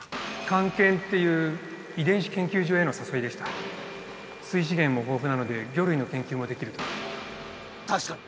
菅研っていう遺伝子研究水資源も豊富なので魚類の研究もできると確かに！